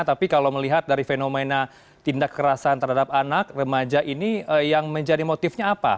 tapi kalau melihat dari fenomena tindak kekerasan terhadap anak remaja ini yang menjadi motifnya apa